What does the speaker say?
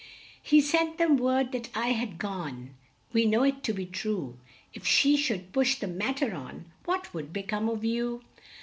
"He sent them word that I had gone (We know it to be true): If she should push the mat ter on What would be come of you?